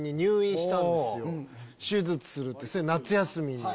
手術するって夏休みに。